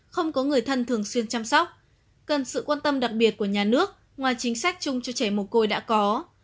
không có người thân thường xuyên chăm sóc cần sự quan tâm đặc biệt của nhà nước ngoài chính sách chung cho trẻ mồ côi đã có